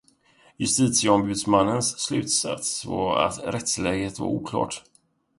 Justitieombudsmannens slutsats var att rättsläget var oklart.